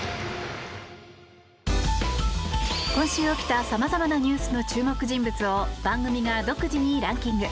今週起きた様々なニュースの注目人物を番組が独自にランキング。